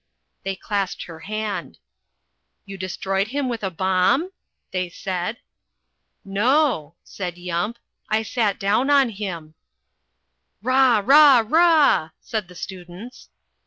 They clasped her hand. "You destroyed him with a bomb?" they said. "No," said Yump, "I sat down on him." "Rah, rah, rah," said the students.